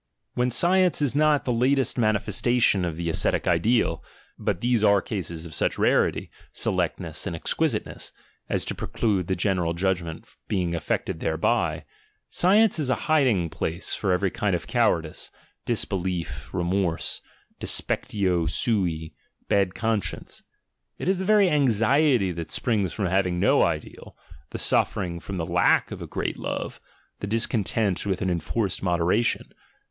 When science is not the latest manifestation of the ascetic ideal — but these are cases of such rarity, selectness, and exquisiteness, as to preclude the general judgment being affected thereby — science is a hiding place for every kind of cowardice, disbelief, remorse, despectio sui, bad conscience — it is the very anxiety that springs from having no ideal, the suf fering from the lack of a great love, the discontent with an enforced moderation.